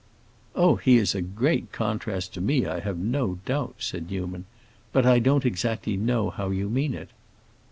"Oh, he is a great contrast to me, I have no doubt" said Newman. "But I don't exactly know how you mean it."